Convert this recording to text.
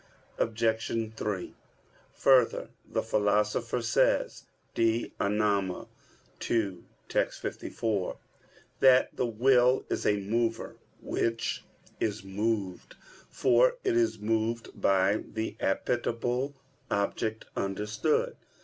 Obj. 3: Further, the Philosopher says (De Anima ii, text. 54) that the will is a mover which is moved; for it is moved by the appetible object understood.